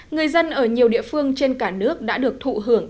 người dân ở nhiều địa phương trên cả nước đã được thụ hưởng